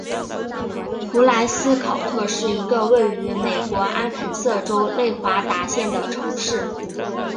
蒲莱斯考特是一个位于美国阿肯色州内华达县的城市。